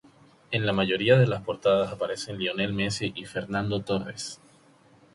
En la mayoría de las portadas aparecen Lionel Messi y Fernando Torres.